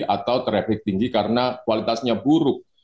atau traffic tinggi karena kualitasnya buruk